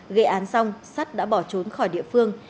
gây án xong sắt đã bỏ trốn khỏi địa phương